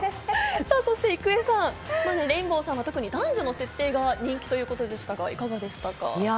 郁恵さん、レインボーさん、特に男女の設定が人気ということでしたがいかがでしたか？